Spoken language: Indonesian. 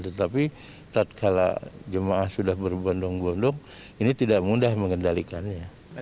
tetapi kalau jemaah sudah berbondong bondong ini tidak mudah mengendalikannya